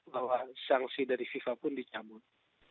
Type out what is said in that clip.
bahwa sanksi dari fifa pun dicabut